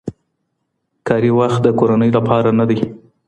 کاري وخت د کورنۍ لپاره نه دی.